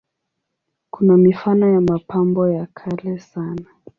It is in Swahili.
Kuna mifano ya mapambo ya kale sana.